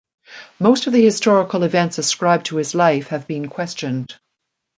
Most of the historical events ascribed to his life have been questioned.